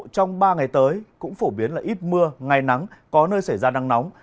trong ba ngày tới cũng phổ biến là ít mưa ngày nắng có nơi xảy ra nắng nóng